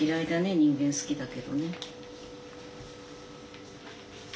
人間好きだけどね。